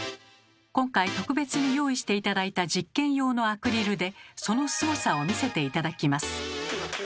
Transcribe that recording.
今回特別に用意して頂いた実験用のアクリルでそのスゴさを見せて頂きます。